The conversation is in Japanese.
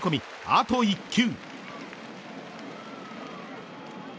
あと１球。